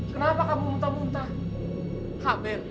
kenapa kamu muntah muntah